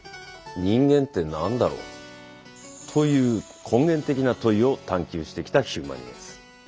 「人間ってなんだろう？」という根源的な問いを探求してきた「ヒューマニエンス」。